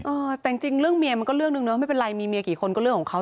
เออแต่จริงเรื่องเมียมันก็เรื่องหนึ่งเนอะไม่เป็นไรมีเมียกี่คนก็เรื่องของเขา